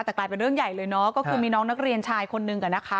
แต่กลายเป็นเรื่องใหญ่เลยเนอะก็คือมีน้องนักเรียนชายคนนึงอะนะคะ